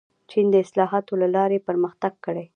چین د اصلاحاتو له لارې پرمختګ کړی.